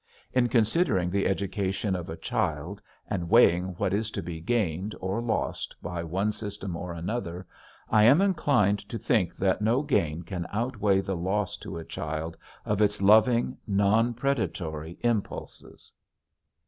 In considering the education of a child and weighing what is to be gained or lost by one system or another I am inclined to think that no gain can outweigh the loss to a child of its loving, non predatory impulses.